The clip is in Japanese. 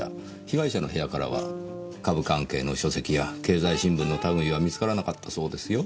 被害者の部屋からは株関係の書籍や経済新聞の類は見つからなかったそうですよ。